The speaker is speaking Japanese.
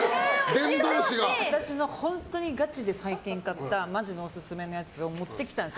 私の本当にガチで最近買ったマジのオススメのやつを持ってきたんです。